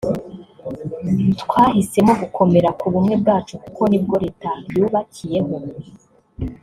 twahisemo gukomera ku bumwe bwacu kuko nibwo Leta yubakiyeho”